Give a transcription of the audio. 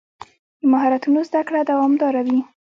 د مهارتونو زده کړه دوامداره وي.